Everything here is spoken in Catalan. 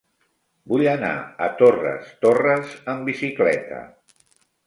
Vull anar a Torres Torres amb bicicleta.